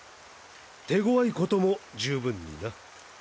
手強いことも十分にな。